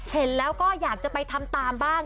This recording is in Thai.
เห็นแล้วก็อยากจะไปทำตามบ้าง